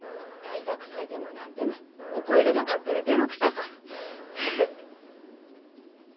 大学祭でも何でもお声がかかったら出向くさか。